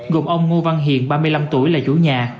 gồm ông ngô văn hiền ba mươi năm tuổi là chủ nhà